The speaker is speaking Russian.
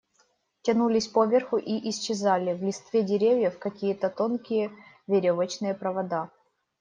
Тянулись поверху и исчезали в листве деревьев какие-то тонкие веревочные провода.